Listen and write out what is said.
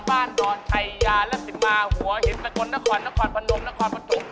บ้านนอนไทยาละสิมาหัวเห็นสะกดนครนครพนมนครพนม